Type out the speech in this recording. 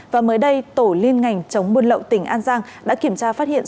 và mới đây tổ liên ngành chống buôn lậu tỉnh an giang đã kiểm tra phát hiện